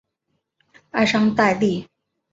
埃尚代利。